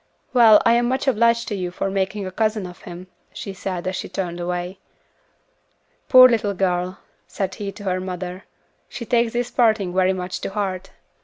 "Well, I am much obliged to you for making a cousin of him," she said, as she turned away. "Poor little girl," said he to her mother, "she takes this parting very much to heart."